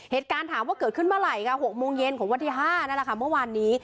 เหตุการณ์ถามว่าเกิดขึ้นเมื่อไหร่ค่ะ๖โมงเย็นของวันที่๕นั่นแหละค่ะเมื่อวานนี้